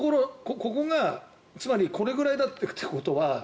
つまりこれぐらいだってことは。